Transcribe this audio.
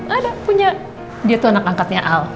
ada punya dia tuh anak angkatnya al